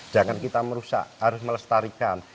jangan kita merusak harus melestarikan